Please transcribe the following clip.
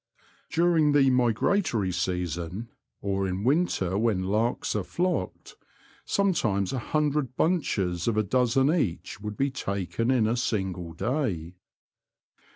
During the migratory season, or in winter when larks are flocked, sometimes a hundred bunches of a dozen each would be taken in a single day.